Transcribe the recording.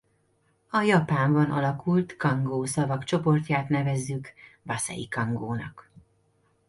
A Japánban alakult kango szavak csoportját nevezzük vaszei-kangónak.